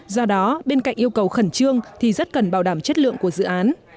do đó bên cạnh yêu cầu khẩn trương thì rất cần bảo đảm chất lượng của dự án